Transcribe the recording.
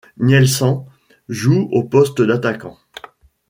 Nielsen joue au poste d'attaquant.